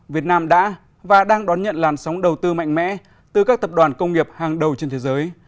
việt nam đã và đang đón nhận làn sóng đầu tư mạnh mẽ từ các tập đoàn công nghiệp hàng đầu trên thế giới